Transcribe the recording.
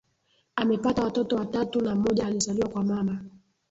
Amepata watoto watatu na mmoja alizaliwa kwa mama